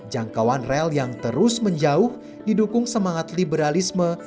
jangkauan rel yang terus menjauh didukung semangat liberalisme